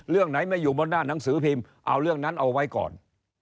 เรื่องไหนไม่อยู่บนหน้าหนังสือพิมพ์เอาเรื่องนั้นเอาไว้ก่อน